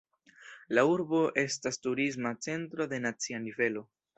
La urbo estas turisma centro de nacia nivelo.